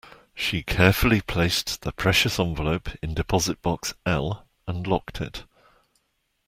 She carefully placed the precious envelope in deposit box L and locked it.